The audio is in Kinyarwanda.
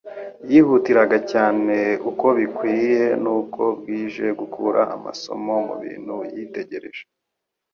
Yihatiraga cyane uko bukoye n'uko bwije gukura amasomo mu bintu yitegereje,